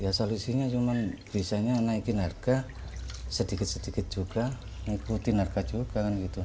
ya solusinya cuma bisa naikin harga sedikit sedikit juga ikuti harga juga